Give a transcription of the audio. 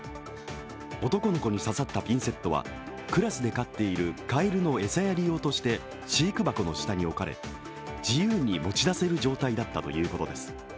男の子に刺さったピンセットはクラスで飼っているかえるの餌やり用として飼育箱の下に置かれ、自由に持ち出せる状態だったということです。